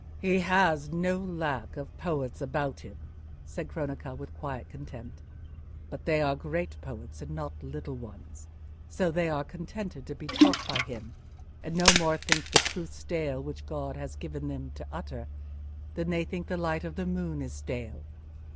"He has no lack of poets about him," said Cronaca, with quiet contempt, "but they are great poets and not little ones; so they are contented to be taught by him, and no more think the truth stale which God has given him to utter, than they think the light of the moon is stale.